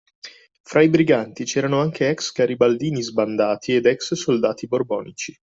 Fra i briganti c’erano anche ex garibaldini sbandati ed ex soldati borbonici.